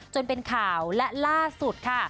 จนเป็นข่าวและล่าสุดค่ะ